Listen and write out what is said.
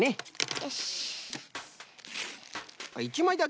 よし！